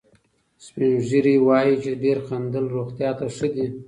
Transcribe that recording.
سپین ږیري وایي چې ډېر خندل روغتیا ته ښه دي.